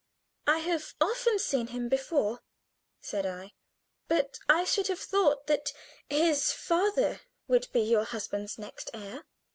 "I have often seen him before," said I; "but I should have thought that his father would be your husband's next heir."